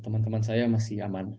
teman teman saya masih aman